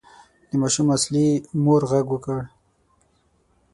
د ماشوم اصلي مور غږ کړ.